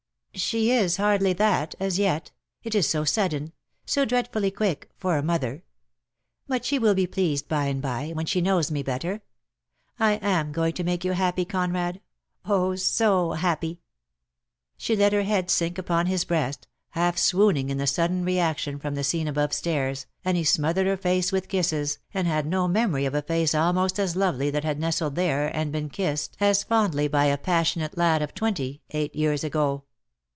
"She is hardly that — as yet. It is so sudden — so dreadfully quick — for a mother. But she will be pleased by and by, when she knows me better. I am going to make you happy, Conrad, oh, so hapjDy!" ■'■• She let her head sink upon his breast, half swooning in the sudden reaction from the scene above stairs, and he smothered her face with kisses, and had no memory of a face almost as lovely that had nestled there and been kissed as 184 PEAD LOVE HAS CHAINS; fondly by a passionate lad of twenty, eight years ago.